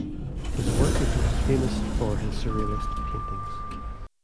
His work is most famous for his surrealist paintings.